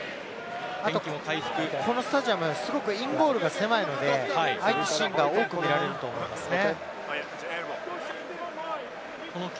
このスタジアム、すごくインゴールが狭いのでああいうシーンが多く見られると思いますね。